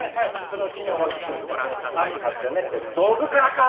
その木の枠組んでね網張ってね。って道具からか！